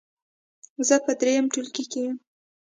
زه په دریم ټولګي کې یم.